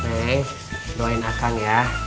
neng doain akan ya